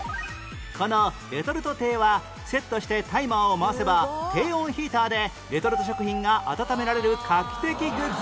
このレトルト亭はセットしてタイマーを回せば低温ヒーターでレトルト食品が温められる画期的グッズ